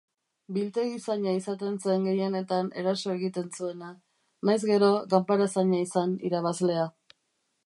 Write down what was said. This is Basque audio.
Biltegizaina izaten zen gehienetan eraso egiten zuena, nahiz gero ganbarazaina izan irabazlea.